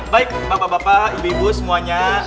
baik bapak bapak ibu ibu semuanya